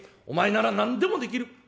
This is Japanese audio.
お前なら何でもできる。